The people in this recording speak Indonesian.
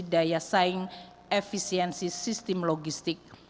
daya saing efisiensi sistem logistik